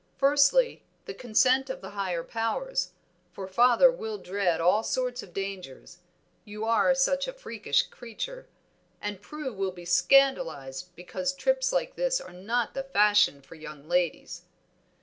Firstly, the consent of the higher powers, for father will dread all sorts of dangers you are such a freakish creature, and Prue will be scandalized because trips like this are not the fashion for young ladies."